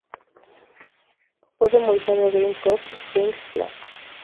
Fue remolcado a Green Cove Springs, Fla.